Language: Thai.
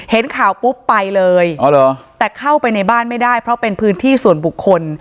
เห็นข่าวปุ๊บไปเลยแต่เข้าไปในบ้านไม่ได้เพราะเป็นพื้นที่ส่วนบุคคล